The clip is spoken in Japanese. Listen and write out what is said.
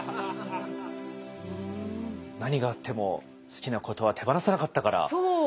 何があっても好きなことは手放さなかったから。